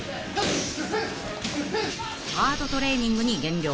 ［ハードトレーニングに減量